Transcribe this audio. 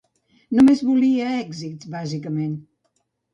Només volia èxits, bàsicament.